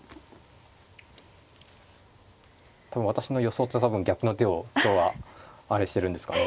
でも私の予想と多分逆の手を今日はあれしてるんですかね。